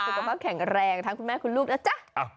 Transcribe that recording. สุขภาพแข็งแรงทั้งคุณแม่คุณลูกนะจ๊ะ